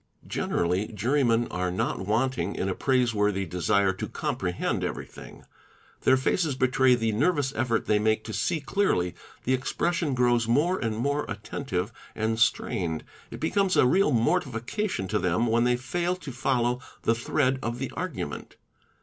Generally jurymen are @ ot wanting in a praiseworthy desire to comprehend everything ; their 'faces betray the nervous effort they make to see clearly, the expression grows more and more attentive and strained, it becomes a real mortifi cation to them when they fail to follow the thread of the argument.